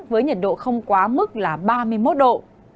với nhiệt độ không quá mức là ba mươi một độ